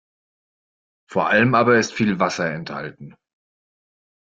Vor allem aber ist viel Wasser enthalten.